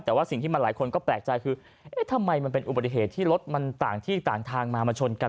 แต่ว่าสิ่งที่มันหลายคนก็แปลกใจคือเอ๊ะทำไมมันเป็นอุบัติเหตุที่รถมันต่างที่ต่างทางมามาชนกัน